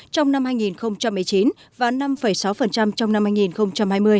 trong năm hai nghìn một mươi chín và năm sáu trong năm hai nghìn hai mươi